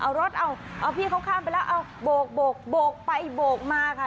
เอารถเอาเอาพี่เขาข้ามไปแล้วเอาโบกโบกไปโบกมาค่ะ